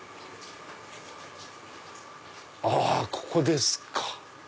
ここですか！